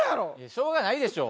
しょうがないでしょ。